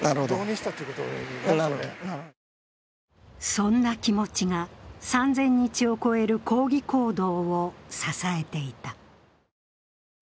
そんな気持ちが３０００日を超える抗議行動を支えていた。